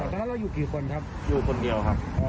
ตอนนั้นเราอยู่กี่คนครับอยู่คนเดียวครับ